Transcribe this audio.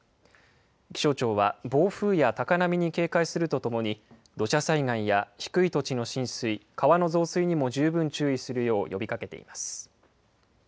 気象庁は暴風や高波に警戒するとともに、土砂災害や低い土地の浸水、川の増水にも十分注意するよう呼びかけています。